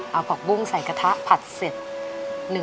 เอาผักบุ้งใส่กระทะผัดเสร็จ